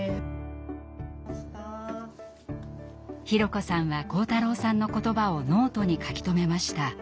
裕子さんは晃太郎さんの言葉をノートに書き留めました。